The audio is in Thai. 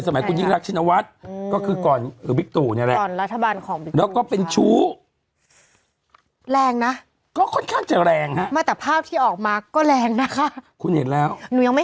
สมัยคุณยิ่งรักชินวัฏขึ้นเก่าเป็นก่อนเบิกตั่วเนี้ยแหละ